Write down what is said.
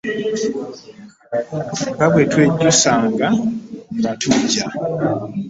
Nga bwetwajusanga nga tujja .